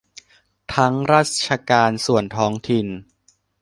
ทั้งราชการส่วนท้องถิ่น